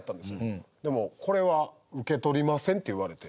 でも「これは受け取りません」って言われて。